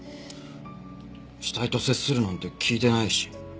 死体と接するなんて聞いてないし。